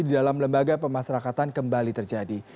di dalam lembaga pemasyarakatan kembali terjadi